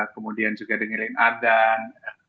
kemudian juga dengerin adan